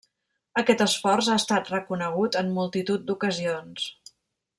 Aquest esforç ha estat reconegut en multitud d'ocasions.